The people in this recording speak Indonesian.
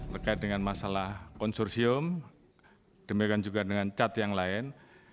terkait dengan masalah konsorsium demikian juga dengan cat yang lain